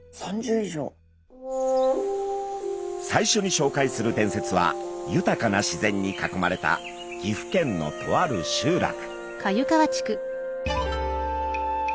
最初にしょうかいする伝説は豊かな自然に囲まれた岐阜県のとある集落。